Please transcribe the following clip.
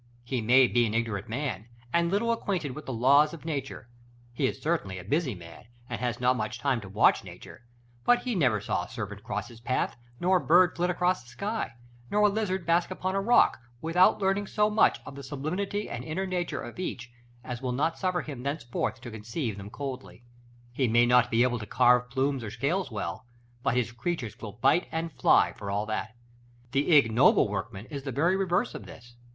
He may be an ignorant man, and little acquainted with the laws of nature; he is certainly a busy man, and has not much time to watch nature; but he never saw a serpent cross his path, nor a bird flit across the sky, nor a lizard bask upon a stone, without learning so much of the sublimity and inner nature of each as will not suffer him thenceforth to conceive them coldly. He may not be able to carve plumes or scales well; but his creatures will bite and fly, for all that. The ignoble workman is the very reverse of this.